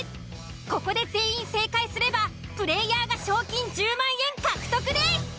ここで全員正解すればプレイヤーが賞金１０万円獲得です！